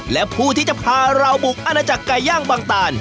และผู้ที่จะพาเราบุกอาณาจักรไก่ย่างบางตาล